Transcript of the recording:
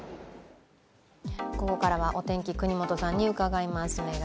ここからはお天気、國本さんに伺います。